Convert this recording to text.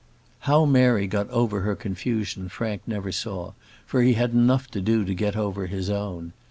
How Mary got over her confusion Frank never saw, for he had enough to do to get over his own.